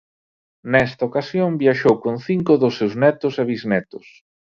Nesta ocasión viaxou con cinco dos seus netos e bisnetos.